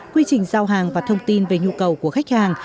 quy trình giao hàng và thông tin về nhu cầu của khách hàng